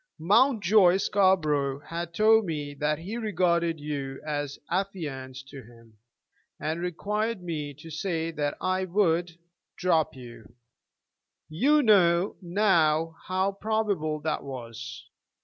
Mountjoy Scarborough had told me that he regarded you as affianced to him, and required me to say that I would drop you. You know now how probable that was.